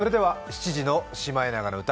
それでは７時の「シマエナガの歌」